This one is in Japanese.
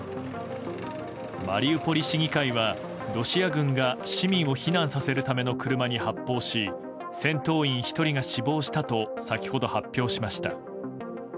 マリウポリ市議会は、ロシア軍が市民を避難させるための車に発砲し戦闘員１人が死亡したと先ほど発表しました。